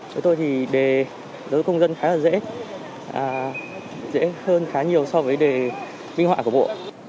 với tôi thì đề giáo dục công dân khá là dễ dễ hơn khá nhiều so với đề minh họa của bộ